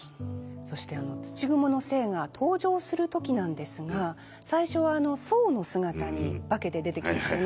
そして土蜘の精が登場する時なんですが最初は僧の姿に化けて出てきますね。